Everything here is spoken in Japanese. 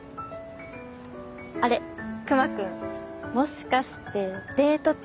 あれ熊くんもしかしてデート中？